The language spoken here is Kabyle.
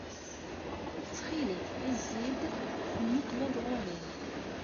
Ttxil-k, zzi-d, temmuqqleḍ-d ɣer-i.